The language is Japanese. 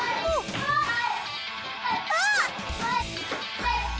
すごい！